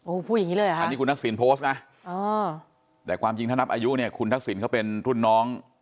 อันนี้คุณทักษิณโพสต์นะแต่ความจริงถ้านับอายุเนี่ยคุณทักษิณเขาเป็นทุนน้อง